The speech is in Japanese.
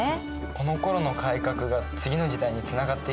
このころの改革が次の時代につながっていくんだね。